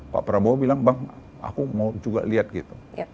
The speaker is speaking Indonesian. pak prabowo bilang bang aku mau juga lihat gitu